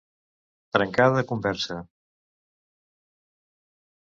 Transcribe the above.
Trencar de conversa.